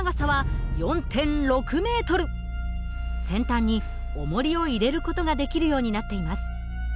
先端におもりを入れる事ができるようになっています。